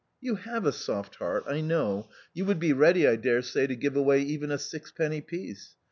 You have a soft heart, I know; you would be ready, I dare say, to give away even a sixpenny piece.